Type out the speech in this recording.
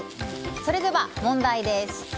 それでは問題です。